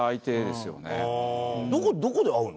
どこで会うの？